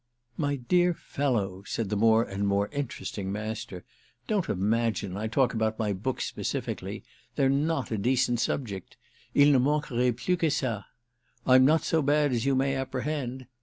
"My dear fellow," said the more and more interesting Master, "don't imagine I talk about my books specifically; they're not a decent subject—il ne manquerait plus que ça! I'm not so bad as you may apprehend!